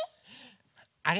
あれ？